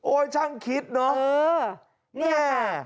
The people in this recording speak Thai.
โอ้ยช่างคิดเนอะ